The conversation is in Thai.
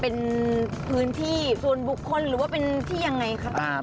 เป็นพื้นที่ส่วนบุคคลหรือว่าเป็นที่ยังไงครับ